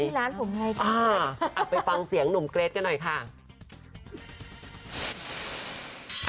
ร้านผมไงคะไปฟังเสียงหนุ่มเกรทกันหน่อยค่ะ